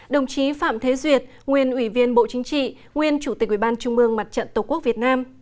đồng chí phạm thế duyệt nguyên ủy viên bộ chính trị nguyên chủ tịch ủy ban trung mương mặt trận tổ quốc việt nam